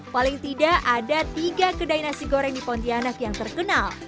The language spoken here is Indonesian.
paling tidak ada tiga kedai nasi goreng di pontianak yang terkenal